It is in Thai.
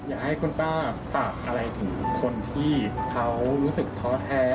อยากให้คุณป้าฝากอะไรถึงคนที่เขารู้สึกท้อแท้